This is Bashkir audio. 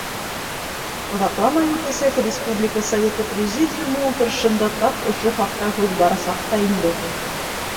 Оҙаҡламай үтәсәк Республика Советы президиумы ултырышында тап ошо хаҡта һүҙ барасаҡ та инде.